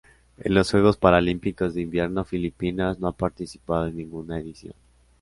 En los Juegos Paralímpicos de Invierno Filipinas no ha participado en ninguna edición.